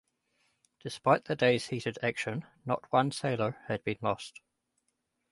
Despite the day's heated action, not one sailor had been lost.